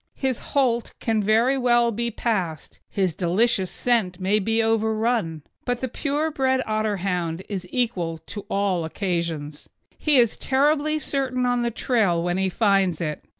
His holt can very well be passed, his delicious scent may be overrun; but the pure bred Otterhound is equal to all occasions. He is terribly certain on the trail when he finds it.